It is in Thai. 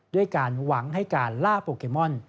ด้วยการหวังให้การล่าโปเกมอน